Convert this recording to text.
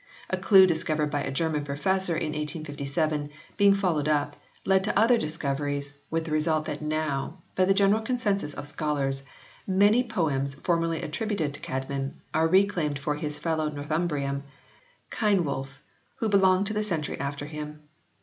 A clue discovered by a German professor in 1857, being followed up, led to other discoveries, with the result that now, by the general consent of scholars, many poems formerly attributed to Csedmon are reclaimed for his fellow Northumbrian, Cynewulf, who belonged to the century after him.